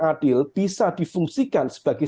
adil bisa difungsikan sebagai